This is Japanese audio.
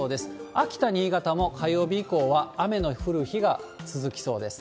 秋田、新潟も火曜日以降は雨の降る日が続きそうです。